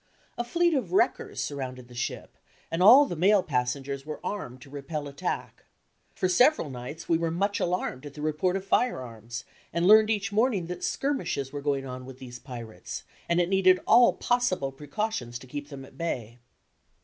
A fleet of wreckers surrounded the ship, and all the male passengers were armed to repel attack. For several nights we were much alarmed at the report of firearms, and learned each morning that skirmishes were going on with these pirates, and it needed all possible precautions to keep them at bay.